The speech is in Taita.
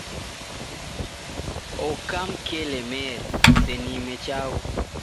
Oka mkelemeri Kuseniime chaghu